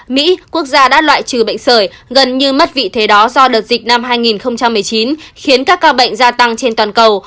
mỹ quốc gia đã loại trừ bệnh sởi gần như mất vị thế đó do đợt dịch năm hai nghìn một mươi chín khiến các ca bệnh gia tăng trên toàn cầu